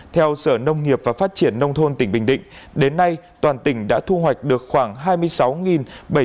theo sở nông nghiệp và phát triển nông thôn tỉnh bình định đến nay toàn tỉnh đã thu hoạch được khoảng hai mươi sáu bảy trăm bảy mươi hecta trên tổng số bốn mươi bảy hecta